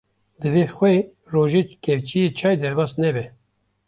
divê xwê rojê kevçiyê çay derbas nebe